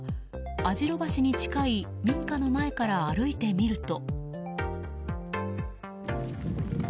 網代橋に近い民家の前から歩いてみると。